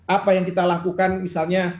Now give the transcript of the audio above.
apa yang kita lakukan misalnya